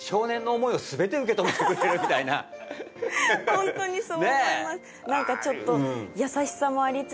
ホントにそう思います